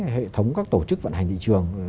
hệ thống các tổ chức vận hành thị trường